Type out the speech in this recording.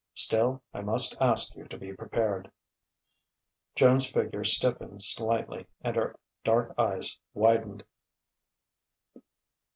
"Still, I must ask you to be prepared." Joan's figure stiffened slightly, and her dark eyes widened.